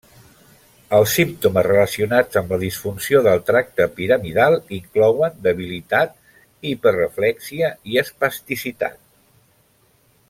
Els símptomes relacionats amb la disfunció del tracte piramidal inclouen debilitat, hiperreflèxia i espasticitat.